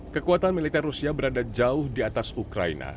kekuatan militer rusia berada jauh di atas ukraina